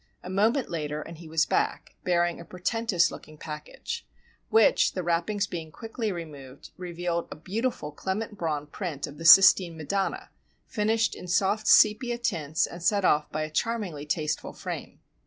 A moment later and he was back, bearing a portentous looking package:—which, the wrappings being quickly removed, revealed a beautiful Clement Braun print of the Sistine Madonna, finished in soft sepia tints and set off by a charmingly tasteful frame.